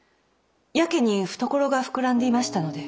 やけに懐が膨らんでいましたので。